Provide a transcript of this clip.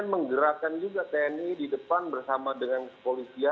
ini tinggal bagaimana presiden menggerakkan juga tni di depan bersama dengan sekolah sekolah